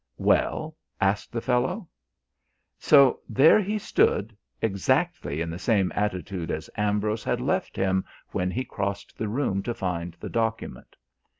"Well?" asked the fellow. So there he stood, exactly in the same attitude as Ambrose had left him when he crossed the room to find the document.